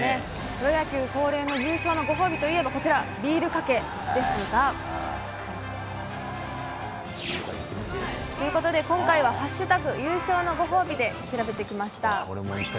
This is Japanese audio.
プロ野球恒例の優勝のご褒美といえばビールかけ！ということで今回は「＃優勝のご褒美」で調べてきました。